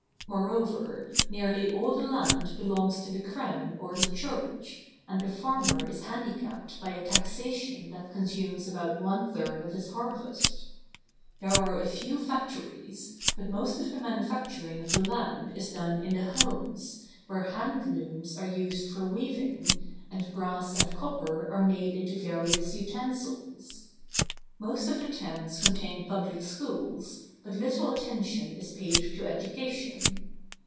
More over, nearly all the land belongs to the Crown or the Church, and the farmer is handicapped by a taxation that consumes about one third of his harvest. There are a few factories, but most of the manufacturing of the land is done in the homes, where hand looms are used for weaving, and brass and cop per are made into various utensils. Most of the towns con tain public schools, but little attention is paid to education.